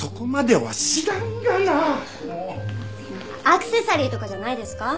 アクセサリーとかじゃないですか。